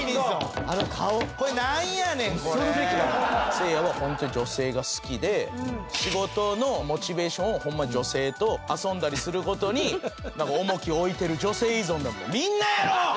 せいやはホントに女性が好きで仕事のモチベーションをホンマに女性と遊んだりする事に重きを置いてる女性依存だと。